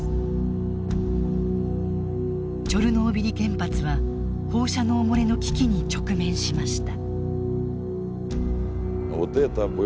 チョルノービリ原発は放射能漏れの危機に直面しました。